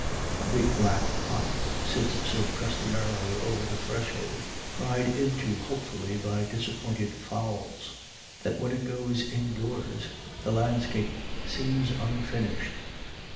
A big black pot sits so cus tomarily over the threshold, pried into hopefully by disappointed fowls, that when it goes indoors the landscape seems unfinished.